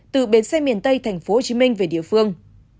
từ bến xe miền tây tp hcm về địa phương